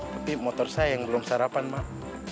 tapi motor saya yang belum sarapan pak